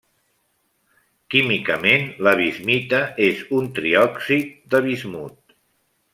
Químicament, la bismita és un triòxid de bismut: